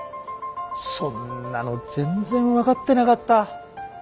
そんなの全然分かってなかった。